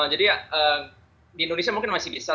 jadi di indonesia mungkin masih bisa